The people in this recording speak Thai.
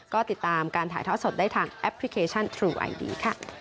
ก็ติดตามการถ่ายทอดสดได้ทางแอปพลิเคชันทรูไอดีค่ะ